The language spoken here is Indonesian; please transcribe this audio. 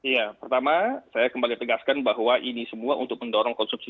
ya pertama saya kembali tegaskan bahwa ini semua untuk mendorong konsumsi